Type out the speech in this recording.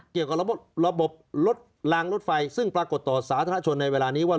เกี่ยวกับระบบรถลางรถไฟซึ่งปรากฏต่อสาธารณชนในเวลานี้ว่า